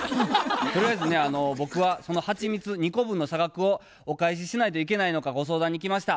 とりあえずね僕はそのはちみつ２個分の差額をお返ししないといけないのかご相談に来ました。